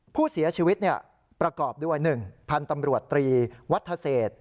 ผู้เสียชีวิตประกอบด้วย๑พันธ์ตำรวจตรีวัฒเศษ